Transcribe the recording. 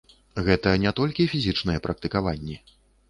Гэта не толькі фізічныя практыкаванні.